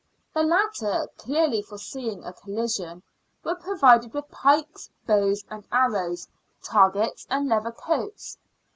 The latter, clearly foreseeing a collision, were provided with pikes, bows and arrows, targets, and leather coats.